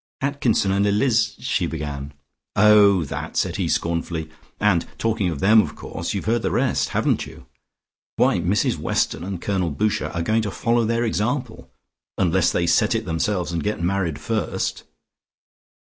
"Atkinson and Eliz " she began. "Oh, that," said he scornfully. "And talking of them, of course you've heard the rest. Haven't you? Why, Mrs Weston and Colonel Boucher are going to follow their example, unless they set it themselves, and get married first."